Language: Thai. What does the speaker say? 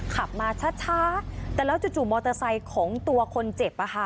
ขับมาช้าแต่แล้วจู่มอเตอร์ไซค์ของตัวคนเจ็บ